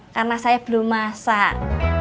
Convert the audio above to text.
karena saya belum masak